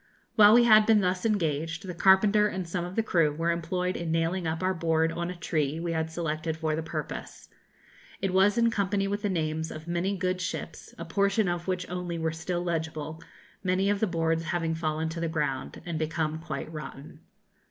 While we had been thus engaged, the carpenter and some of the crew were employed in nailing up our board on a tree we had selected for the purpose. It was in company with the names of many good ships, a portion of which only were still legible, many of the boards having fallen to the ground and become quite rotten.